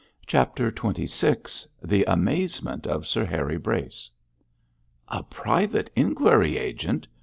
CHAPTER XXVI THE AMAZEMENT OF SIR HARRY BRACE 'A private inquiry agent!'